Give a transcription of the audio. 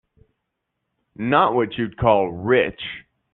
Not what you'd call rich.